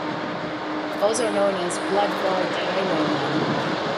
Also known as Black Bart, Highwayman.